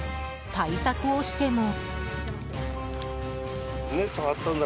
対策をしても。